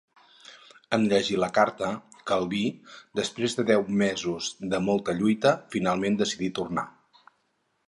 En llegir la carta, Calví, després de deu mesos de molta lluita, finalment decidí tornar.